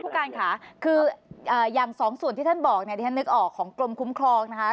ผู้การค่ะคืออย่างสองส่วนที่ท่านบอกเนี่ยที่ฉันนึกออกของกรมคุ้มครองนะคะ